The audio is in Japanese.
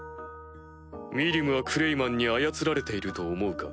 ミリムはクレイマンに操られていると思うか？